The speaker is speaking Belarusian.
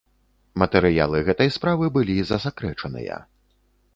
Матэрыялы гэтай справы былі засакрэчаныя.